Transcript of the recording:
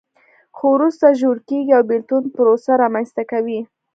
خو وروسته ژور کېږي او بېلتون پروسه رامنځته کوي.